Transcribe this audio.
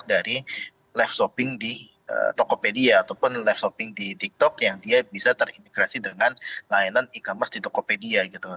dari live shopping di tokopedia ataupun live shopping di tiktok yang dia bisa terintegrasi dengan layanan e commerce di tokopedia gitu